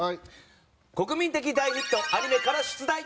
国民的大ヒットアニメから出題。